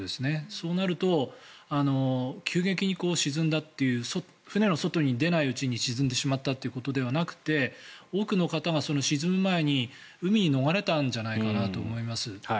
そうなると、急激に沈んだという船の外に出ないうちに沈んでしまったということではなくて多くの方が沈む前に海に逃れたんじゃないかなと思います。